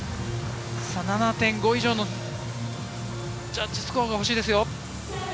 ７．５以上のジャッジスコアが欲しいですよ。